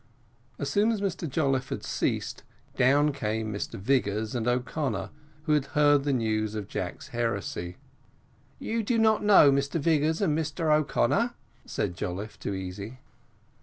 As soon as Mr Jolliffe had ceased, down came Mr Vigors and O'Connor, who had heard the news of Jack's heresy. "You do not know Mr Vigors and Mr O'Connor," said Jolliffe to Easy.